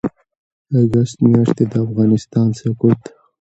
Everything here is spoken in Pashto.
اګسټ میاشتې د افغانستان سقوط